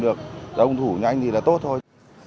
đồng thủ nhanh thì là tốt thôi